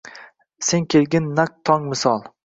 Sen kelgin naq tong misol